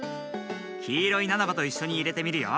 きいろいナナバといっしょにいれてみるよ。